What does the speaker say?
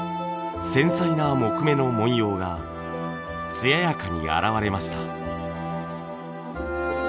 繊細な木目の文様が艶やかに現れました。